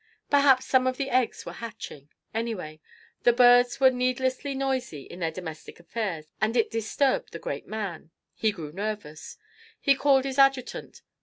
Perhaps some of the eggs were hatching; anyway, the birds were needlessly noisy in their domestic affairs, and it disturbed the great man he grew nervous. He called his adjutant.